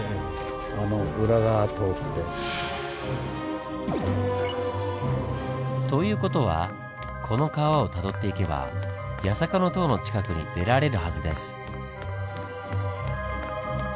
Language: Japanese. あの裏側通って。という事はこの川をたどっていけば八坂の塔の近くに出られるはずです。